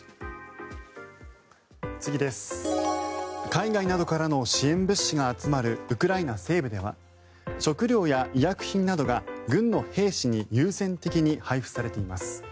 海外などからの支援物資が集まるウクライナ西部では食料や医薬品などが軍の兵士に優先的に配布されています。